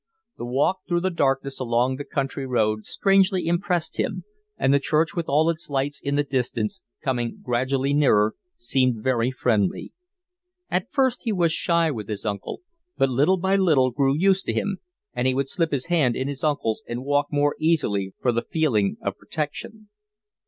The walk through the darkness along the country road strangely impressed him, and the church with all its lights in the distance, coming gradually nearer, seemed very friendly. At first he was shy with his uncle, but little by little grew used to him, and he would slip his hand in his uncle's and walk more easily for the feeling of protection.